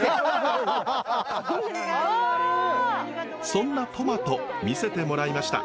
そんなトマト見せてもらいました。